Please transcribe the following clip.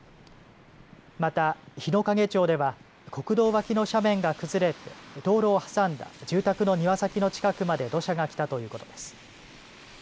また日之影町では国道脇の斜面が崩れて道路を挟んだ住宅の庭先の近くまで土砂が来たということです。